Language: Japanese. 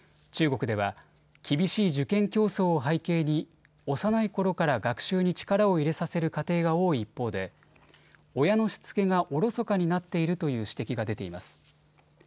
中国では、厳しい受験競争を背景に幼いころから学習に力を入れさせる家庭が多い一方で親のしつけがおろそかになっているという指摘が出ています。